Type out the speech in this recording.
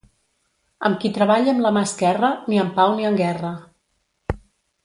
Amb qui treballa amb la mà esquerra, ni en pau ni en guerra.